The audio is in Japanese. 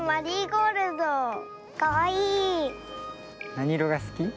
なにいろがすき？